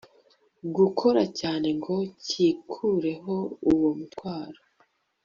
gukora cyane ngo cyikureho uwo mutwaro